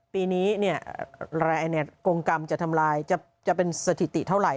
ปีนี้กรงกรรมจะทำลายจะเป็นสถิติเท่าไหร